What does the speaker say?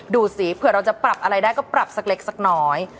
ดูสิเผื่อเราจะปรับอะไรได้ก็ปรับสักเล็กสักน้อย